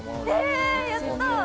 やった！